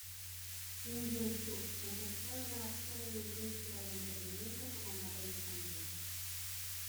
Kim Hyun-soo empezó a trabajar en la industria del entretenimiento como modelo infantil.